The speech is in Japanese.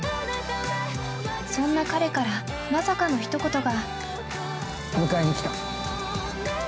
そんな彼から、まさかの一言が。